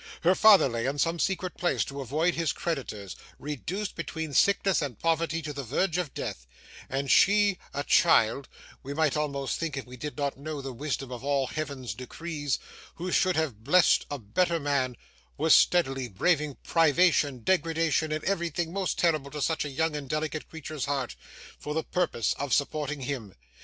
Her father lay in some secret place to avoid his creditors, reduced, between sickness and poverty, to the verge of death, and she, a child, we might almost think, if we did not know the wisdom of all Heaven's decrees who should have blessed a better man, was steadily braving privation, degradation, and everything most terrible to such a young and delicate creature's heart, for the purpose of supporting him.